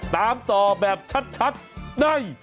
ตามต่อแบบชัดใน